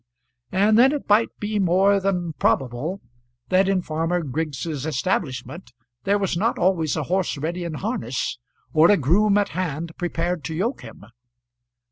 And then it might be more than probable that in Farmer Griggs's establishment there was not always a horse ready in harness, or a groom at hand prepared to yoke him.